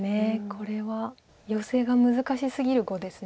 これはヨセが難しすぎる碁です。